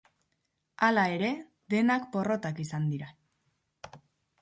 Hala ere, denak porrotak izan dira.